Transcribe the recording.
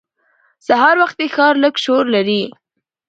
سهار وختي ښار لږ شور لري